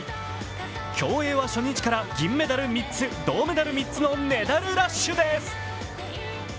競泳は初日から銀メダル３つ、銅メダル３つのメダルラッシュです。